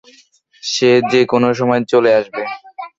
সে যেকোনো সময় চলে আসবে।